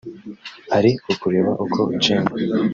ari ukureba uko Gen